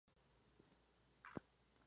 Hasta la Vista Baby!